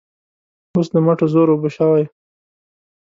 اوس د مټو زور اوبه شوی.